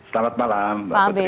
selamat malam mbak putri